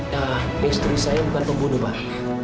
nah istri saya bukan pembunuh pak